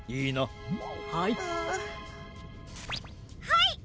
はい！